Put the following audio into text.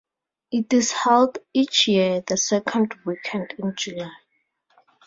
It is held each year, the second weekend in July.